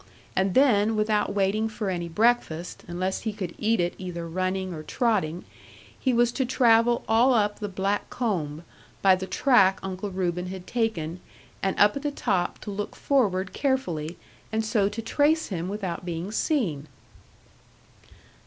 And then, without waiting for any breakfast unless he could eat it either running or trotting, he was to travel all up the black combe, by the track Uncle Reuben had taken, and up at the top to look forward carefully, and so to trace him without being seen.'